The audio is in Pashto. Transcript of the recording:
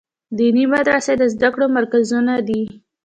دیني مدرسې د زده کړو مرکزونه دي.